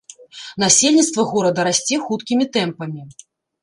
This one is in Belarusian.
Насельніцтва горада расце хуткімі тэмпамі.